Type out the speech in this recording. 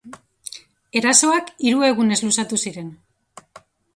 Erasoak hiru egunez luzatu ziren.